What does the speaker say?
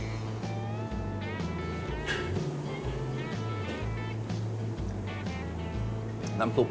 เอ๊ะบะหมี่ผัดนี่มันถ้าเป็นเมนูหรอ